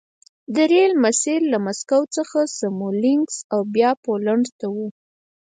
د ریل مسیر له مسکو څخه سمولینکس او بیا پولنډ ته و